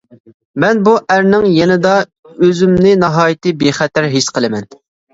مەن بۇ ئەرنىڭ يېنىدا ئۆزۈمنى ناھايىتى بىخەتەر ھېس قىلىمەن.